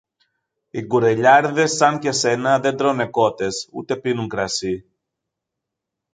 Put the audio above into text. Οι κουρελιάρηδες σαν και σένα δεν τρώνε κότες ούτε πίνουν κρασί!